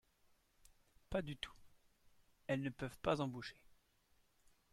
Pas du tout, elles ne peuvent pas embaucher